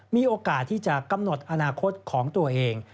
มีโอกาสที่จะกำหนดอนาคตของตัวเอง